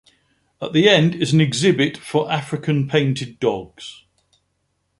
At the end is an exhibit for African painted dogs.